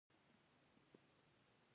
چې هغه موږ د زړې پښتو او سانسکریت ژبو